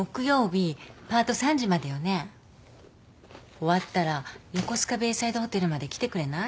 終わったら横須賀ベイサイドホテルまで来てくれない？